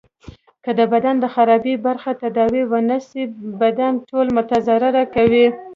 که د بدن د خرابي برخی تداوي ونه سي بدن ټول متضرر کوي.